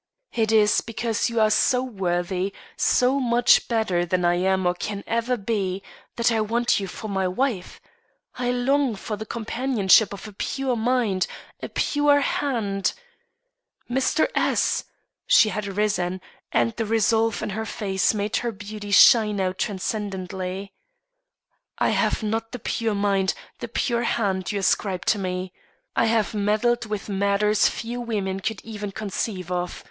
It is because you are so worthy, so much better than I am or can ever be, that I want you for my wife. I long for the companionship of a pure mind, a pure hand " "Mr. S " (she had risen, and the resolve in her face made her beauty shine out transcendently), "I have not the pure mind, the pure hand you ascribe to me. I have meddled with matters few women could even conceive of.